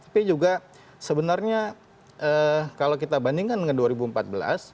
tapi juga sebenarnya kalau kita bandingkan dengan dua ribu empat belas